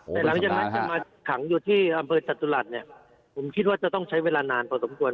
แต่หลังจากนั้นจะมาขังอยู่ที่อำเภอจตุรัสเนี่ยผมคิดว่าจะต้องใช้เวลานานพอสมควร